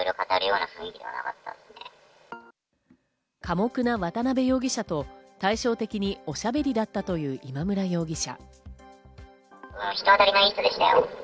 寡黙な渡辺容疑者と対照的におしゃべりだったという今村容疑者。